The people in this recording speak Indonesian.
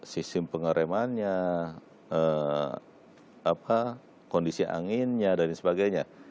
sistem pengeremannya kondisi anginnya dan sebagainya